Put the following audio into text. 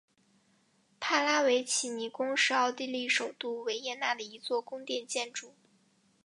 帕拉维奇尼宫是奥地利首都维也纳的一座宫殿建筑。